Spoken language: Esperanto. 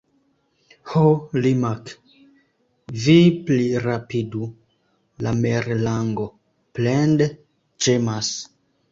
"Ho, Limak', vi plirapidu!" la merlango plende ĝemas.